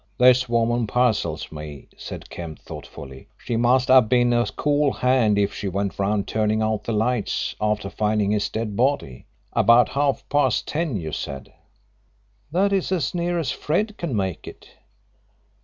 "This woman puzzles me," said Kemp thoughtfully. "She must have been a cool hand if she went round turning out the lights after finding his dead body. About half past ten, you said?" "That is as near as Fred can make it."